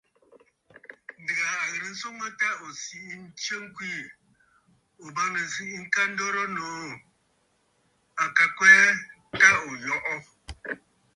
Ǹdèghà a ghɨrə nswoŋ mə ta ò siʼi nstsə ŋkweè, ̀o bâŋnə̀ ǹsiʼi ŋka dorə nòô. À ka kwɛɛ ta ò yɔʼɔ.